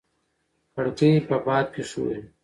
کړکۍ په باد کې ښوري.